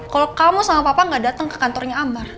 kalo kamu sama papa gak dateng ke kantornya amar